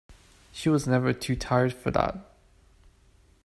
She was never too tired for that.